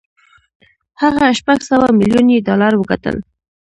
هغه شپږ سوه ميليون يې ډالر وګټل.